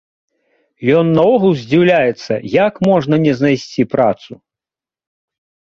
Ён наогул здзіўляецца, як можна не знайсці працу.